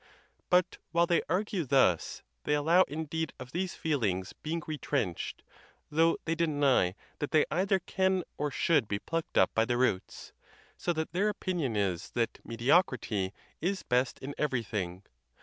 But while they argue thus, they allow indeed of these feelings being retrenched, though they deny that they either can or should be plucked up by the roots; so that their opinion is that mediocrity is 7 146 THE TUSCULAN DISPUTATIONS. best in everything.